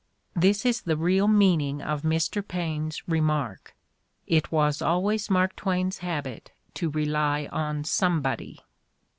This is the real meaning of Mr. Paine 's remark: "It was always Mark Twain's habit to rely on somebody."